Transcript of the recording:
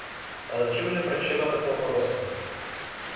Але в чім же причина такого розкладу?